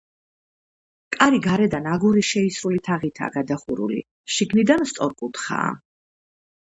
კარი გარედან აგურის შეისრული თაღითაა გადახურული, შიგნიდან სწორკუთხაა.